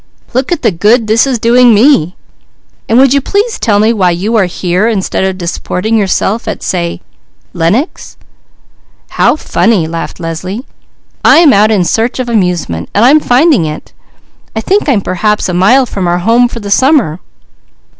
Look at the 'good' this is doing me. And would you please tell me why you are here, instead of disporting yourself at, say Lenox?" "How funny!" laughed Leslie. "I am out in search of amusement, and I'm finding it. I think I'm perhaps a mile from our home for the summer."